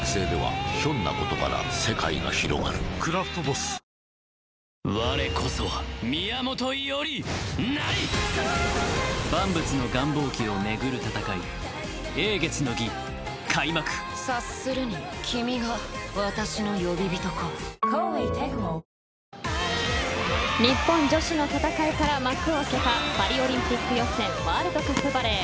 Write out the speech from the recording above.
「クラフトボス」日本女子の戦いから幕を開けたパリオリンピック予選ワールドカップバレー。